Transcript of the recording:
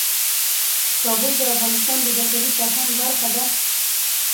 کابل د افغانستان د بشري فرهنګ برخه ده.